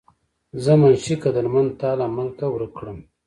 زۀ منشي قدرمند تا لۀ ملکه ورک کړم